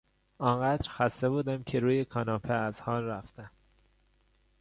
آن قدر خسته بودم که روی کاناپه از حال رفتم.